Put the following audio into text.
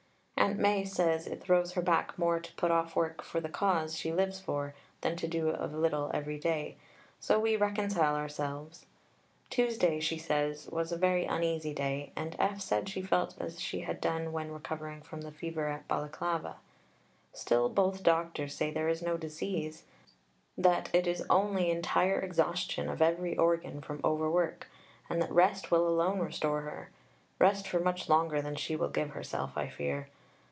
Aunt Mai says it throws her back more to put off work for "the cause" she lives for than to do a little every day so we reconcile ourselves. Tuesday, she says, was a very uneasy day, and F. said she felt as she had done when recovering from the fever at Balaclava. Still both doctors say there is no disease, that it is only entire exhaustion of every organ from overwork, and that rest will alone restore her rest for much longer than she will give herself, I fear.